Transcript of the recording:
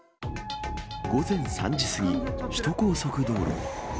午前３時過ぎ、首都高速道路。